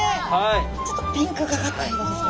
ちょっとピンクがかった色ですね。